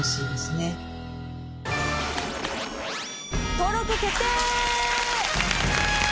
登録決定！